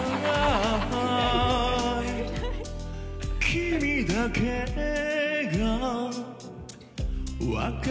君だけが